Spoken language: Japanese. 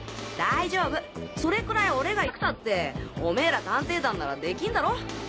大丈夫それくらい俺がいなくたっておめぇら探偵団ならできんだろ？